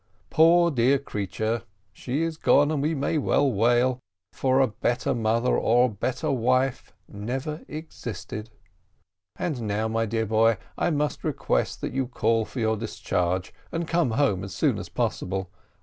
Poor dear creature! she is gone, and we may well wail, for a better mother or a better wife never existed. And now, my dear boy, I must request that you call for your discharge, and come home as soon as possible.